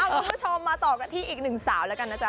เอาคุณผู้ชมมาตอบกันที่อีก๑สาวแล้วกันนะจ๊ะ